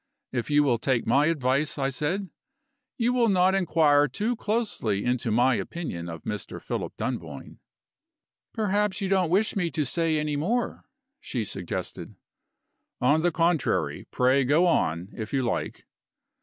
"If you will take my advice," I said, "you will not inquire too closely into my opinion of Mr. Philip Dunboyne." "Perhaps you don't wish me to say anymore?" she suggested. "On the contrary, pray go on, if you like."